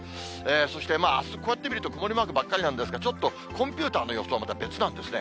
そして、あす、こうやって見ると、曇りマークばっかりなんですけど、ちょっとコンピューターの予想は、また別なんですね。